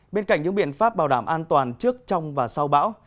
bên cạnh những biện pháp bảo đảm an toàn trước trong và sau bão